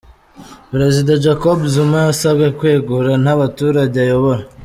Perezida Jacobu Zuma yasabwe kwegura nabaturage ayobora